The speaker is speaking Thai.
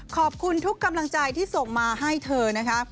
ขอบคุณทุกกำลังใจที่ส่งมาให้เธอนะคะ